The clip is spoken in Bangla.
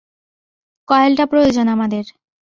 কয়েলটা প্রয়োজন আমাদের।